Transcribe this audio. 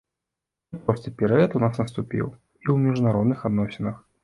Няпросты перыяд у нас наступіў і ў міжнародных адносінах.